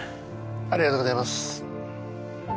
ありがとうございます。